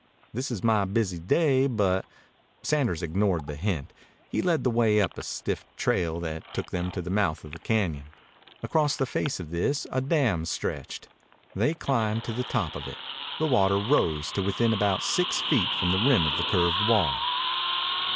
This is my busy day, but " Sanders ignored the hint. He led the way up a stiff trail that took them to the mouth of the cañon. Across the face of this a dam stretched. They climbed to the top of it. The water rose to within about six feet from the rim of the curved wall.